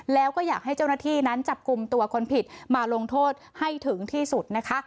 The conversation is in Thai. แล้วก็อยากให้เจ้าหน้าที่นั้นจับกลุ่มตัวคนผิดมาลงโทษให้ถึงที่สุดนะคะ